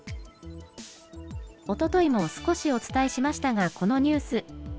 おとといも少しお伝えしましたが、このニュース。